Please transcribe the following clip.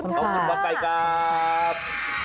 ขอบคุณหมอไก่ครับ